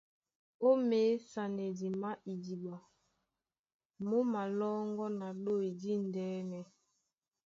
Ó měsanedi má idiɓa. Mú malɔ́ŋgɔ́ na ɗôy díndɛ̄nɛ.